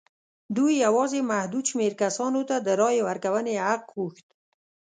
دوی یوازې محدود شمېر کسانو ته د رایې ورکونې حق غوښت.